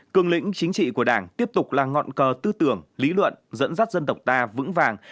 cường lĩnh chính trị của đảng tiếp tục là ngọn cờ tư tưởng lý luận dẫn dắt dân tộc ta vững vàng